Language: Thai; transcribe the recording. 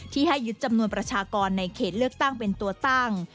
ให้ยึดจำนวนประชากรในเขตเลือกตั้งเป็นตัวตั้ง